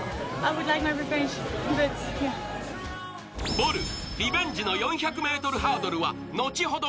ボル、リベンジの４００ｍハードルは後ほど